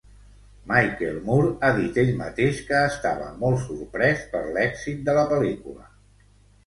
Michael Moore ha dit ell mateix que estava molt sorprès per l'èxit de la pel·lícula.